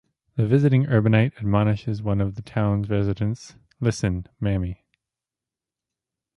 The visiting urbanite admonishes one of the town's residents, Listen, Mammy.